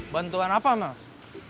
bantuan apa mas